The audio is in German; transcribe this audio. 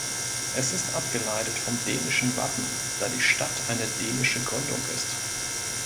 Es ist abgeleitet vom dänischen Wappen, da die Stadt eine dänische Gründung ist.